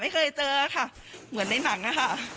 ไม่เคยเจอค่ะเหมือนในหนังนะคะ